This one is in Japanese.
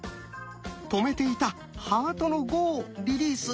止めていたハートの「５」をリリース。